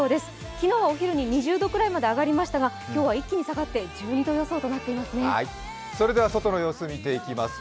昨日はお昼に２０度くらいまで上がりましたが今日は一気に下がって１２度予想となっていますね。